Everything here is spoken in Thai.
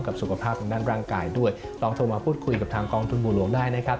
สุขภาพทางด้านร่างกายด้วยลองโทรมาพูดคุยกับทางกองทุนบัวหลวงได้นะครับ